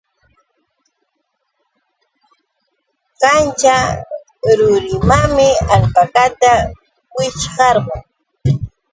Kanćha rurimanmi alpakata wićhqarqu.